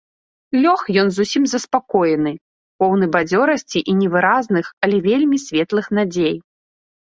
Лёг ён зусім заспакоены, поўны бадзёрасці і невыразных, але вельмі светлых надзей.